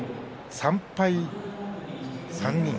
３敗、３人。